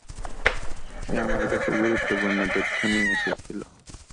সে আমার কাছে গুরুত্বপূর্ণ তথ্য নিয়ে আসছিল।